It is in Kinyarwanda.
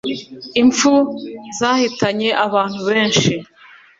impfu zahitanye abantu benshi